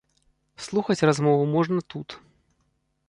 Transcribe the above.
Слухаць размову можна тут.